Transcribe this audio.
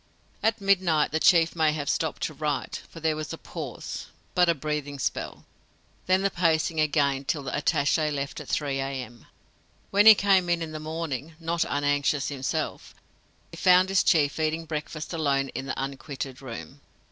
At midnight the chief may have stopped to write, for there was a pause but a breathing spell. Then the pacing again till the attaché left at 3 A.M. When he came in the morning, not unanxious himself, he found his chief eating breakfast alone in the unquitted room.